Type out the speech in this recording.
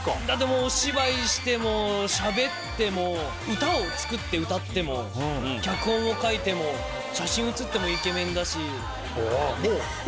だってもうお芝居してもしゃべっても歌を作って歌っても脚本を書いても写真写ってもイケメンだし。